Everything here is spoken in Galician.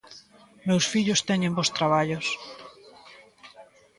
Meus fillos teñen bos traballos.